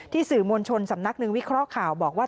สื่อมวลชนสำนักหนึ่งวิเคราะห์ข่าวบอกว่า